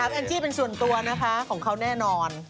แอนจี้เป็นส่วนตัวนะคะของเขาแน่นอน